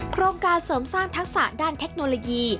โครงการเสริมสร้างทักษะด้านเทคโนโลยี